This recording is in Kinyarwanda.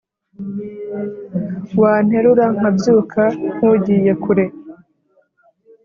Wanterura nkabyuka nkugiye kure